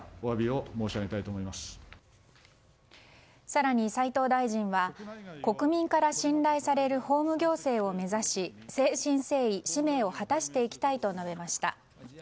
更に齋藤大臣は国民から信頼される法務行政を目指し誠心誠意、使命を果たしていきたいと述べました。